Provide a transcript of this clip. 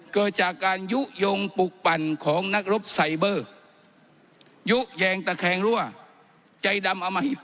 เกิดจากการยุโยงปลูกปั่นของนักรบไซเบอร์ยุแยงตะแคงรั่วใจดำอมหิต